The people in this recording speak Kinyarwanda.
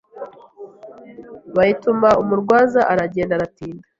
bayituma umurwaza aragenda aratinda